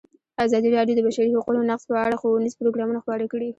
ازادي راډیو د د بشري حقونو نقض په اړه ښوونیز پروګرامونه خپاره کړي.